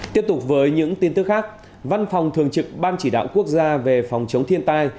tiếp tục với những tin tức khác văn phòng thường trực ban chỉ đạo quốc gia về phòng chống thiên tai